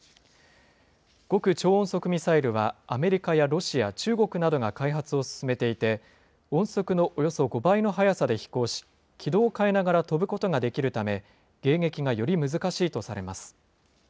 極超音速ミサイルは、アメリカやロシア、中国などが開発を進めていて、音速のおよそ５倍の速さで飛行し、軌道を変えながら飛ぶことができるため、迎撃がより難しいとされます。